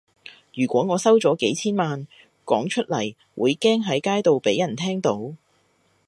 如果我收咗幾千萬，講出嚟會驚喺街度畀人聽到